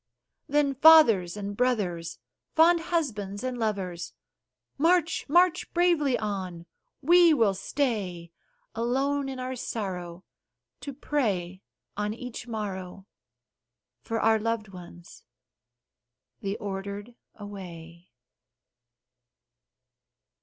Then, fathers and brothers, fond husbands and lovers, March! march bravely on! We will stay, Alone in our sorrow, to pray on each morrow For our loved ones the Ordered away.